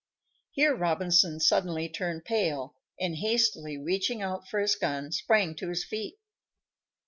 Here Robinson suddenly turned pale, and, hastily reaching out for his gun, sprang to his feet.